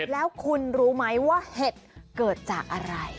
แล้วคุณรู้ไหมว่าเห็ดเกิดจากอะไร